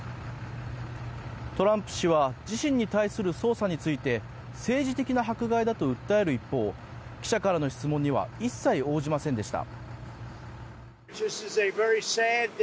トランプ氏は自身に対する捜査について政治的な迫害だと訴える一方記者からの質問には一切応じませんでした。